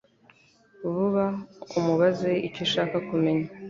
vuba umubaze icyo ushaka kumenya